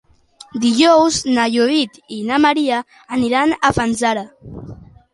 Dijous na Judit i na Mira aniran a Fanzara.